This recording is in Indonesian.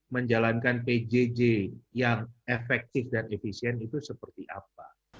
menjalankan pjj yang efektif dan efisien itu seperti apa